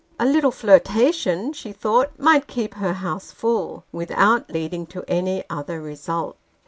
A little flirtation, she thought, might keep her Bouse full, without leading to any other result.